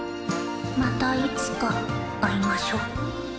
またいつかあいましょう。